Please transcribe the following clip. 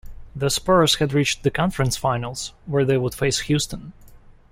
The Spurs had reached the conference finals, where they would face Houston.